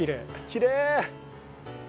きれい！